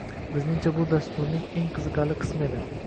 Bizningcha, bu dasturning eng qiziqarli qismi edi